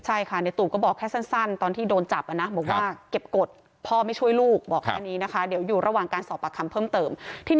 ใช่ค่ะในตูบก็บอกแค่สั้นตอนที่โดนจับนะบอกว่าเก็บกฎพ่อไม่ช่วยลูกบอกแค่นี้นะคะเดี๋ยวอยู่ระหว่างการสอบปากคำเพิ่มเติม